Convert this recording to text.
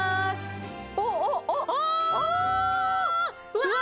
うわ！